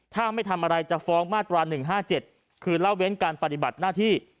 ถ้าไม่ทำอะไรจะฟ้องมาตรา๑๕๗คือเล่าเว้นการปฏิบัติหน้าที่